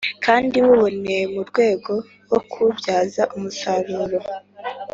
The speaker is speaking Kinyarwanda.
kandi buboneye mu rwego rwo kububyaza umusaruro